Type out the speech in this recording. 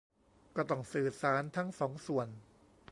ก็ต้องสื่อสารทั้งสองส่วน